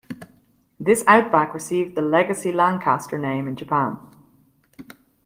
This Outback received the "Legacy Lancaster" name in Japan.